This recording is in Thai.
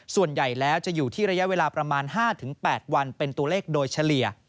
ส่วนใหญ่แล้วจะอยู่ที่ระยะเวลาประมาณ๕๘วันเป็นตัวเลขโดยเฉลี่ย